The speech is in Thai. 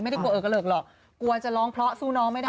ไม่ได้กลัวเกลือเกลือหรอกกลัวจะร้องเพราะสู้น้องไม่ได้